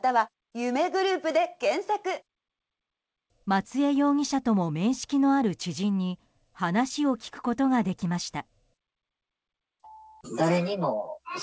松江容疑者とも面識のある知人に話を聞くことができました。